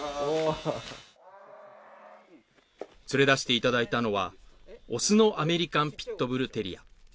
連れ出していただいたのは、雄のアメリカン・ピットブル・テリア。